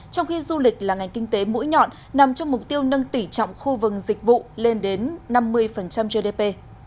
trong khi du lịch là ngành kinh tế mũi nhọn nằm trong mục tiêu nâng tỉ trọng khu vực dịch vụ lên đến năm mươi gdp